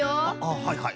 はいはい。